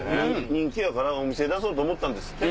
人気やからお店出そうと思ったんですって。